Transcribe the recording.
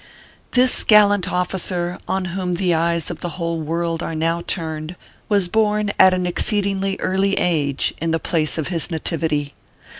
This gallant officer, on whom the eyes of the whole world are now turned, was born at an exceedingly early age, in the place of his nativity.